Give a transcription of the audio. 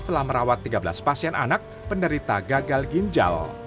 telah merawat tiga belas pasien anak penderita gagal ginjal